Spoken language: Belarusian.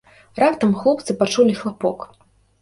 Раптам хлопцы пачулі хлапок.